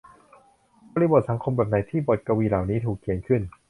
บริบทสังคมแบบไหนที่บทกวีเหล่านี้ถูกเขียนขึ้น